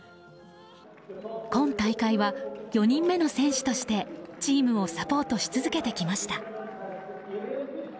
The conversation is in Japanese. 今大会は、４人目の選手としてチームをサポートし続けてきました。